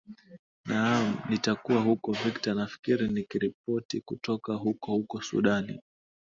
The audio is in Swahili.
naam nitakuwa huko victor nafikiri nikiripoti kutoka huko huko sudani